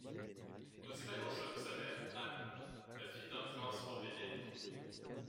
On ne sait pas grand-chose de sa mère, Anne, la fille d'un prince Orbéliani.